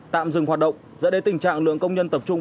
tạm dừng hoạt động dẫn đến tình trạng lượng công nhân tập trung